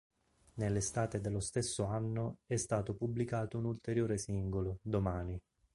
Nell'estate dello stesso anno è stato pubblicato un ulteriore singolo, "Domani".